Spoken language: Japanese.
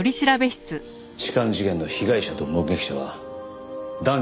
痴漢事件の被害者と目撃者は男女の関係でした。